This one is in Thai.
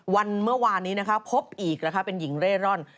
เมื่อวานนี้นะคะพบอีกนะคะเป็นหญิงเร่ร่อน